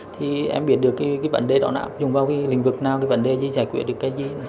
thì em biết được cái vấn đề đó áp dụng vào cái lĩnh vực nào cái vấn đề gì giải quyết được cái gì